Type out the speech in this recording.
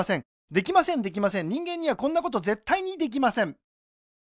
できませんできません人間にはこんなことぜったいにできません